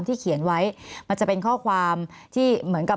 มีความรู้สึกว่ามีความรู้สึกว่า